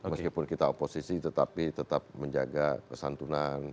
meskipun kita oposisi tetapi tetap menjaga kesantunan